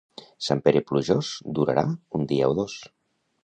Sant Pere plujós, durarà un dia o dos.